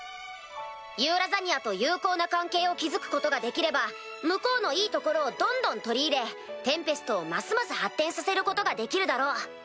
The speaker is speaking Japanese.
ユーラザニアと友好な関係を築くことができれば向こうのいいところをどんどん取り入れテンペストをますます発展させることができるだろう。